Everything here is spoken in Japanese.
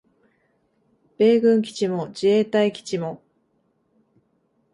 米軍基地も自衛隊基地も